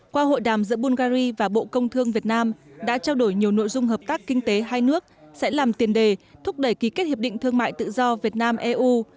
qua hội đàm giữa bungary và bộ công thương việt nam đã trao đổi nhiều nội dung hợp tác kinh tế hai nước sẽ làm tiền đề thúc đẩy ký kết hiệp định thương mại tự do việt nam eu